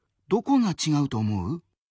どこがちがうと思う？